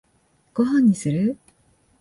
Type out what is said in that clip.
ご飯にする？